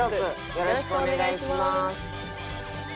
よろしくお願いします。